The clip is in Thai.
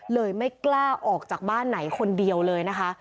ไม่กล้าออกจากบ้านไหนคนเดียวเลยนะคะ